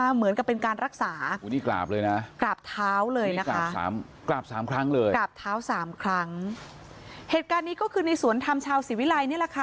เหตุการณ์นี้ก็คือในสวนทำชาวศรีวิลัยนี่แหละค่ะ